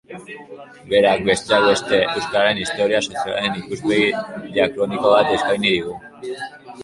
Berak, besteak beste, euskararen historia sozialaren ikuspegi diakroniko bat eskaini digu.